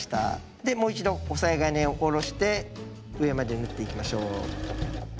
でもう一度押さえ金を下ろして上まで縫っていきましょう。